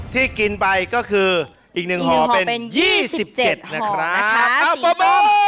ที่กินไปก็คืออีกหนึ่งห่อเป็น๒๗นะครับ